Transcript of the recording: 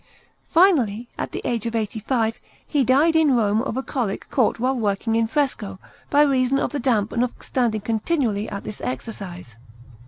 Finally, at the age of eighty five, he died in Rome of a colic caught while working in fresco, by reason of the damp and of standing continually at this exercise.